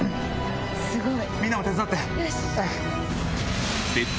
すごい！